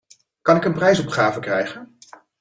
Kan ik een prijsopgave krijgen?